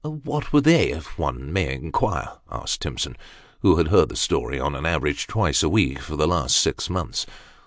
" What were they, if one may inquire ?" asked Timson, who had heard the story, on an average, twice a week for the last six months.